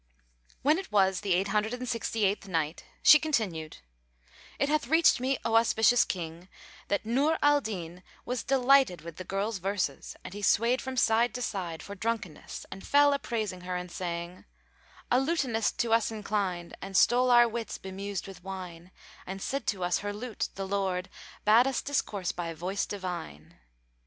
When it was the Eight Hundred and Sixty eighth Night, She continued, It hath reached me, O auspicious King, that Nur al Din was delighted with the girl's verses and he swayed from side to side for drunkenness and fell a praising her and saying, "A lutanist to us inclined * And stole our wits bemused with wine: And said to us her lute, 'The Lord * Bade us discourse by voice divine.'"